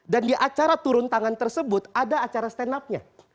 dan di acara turun tangan tersebut ada acara stand up nya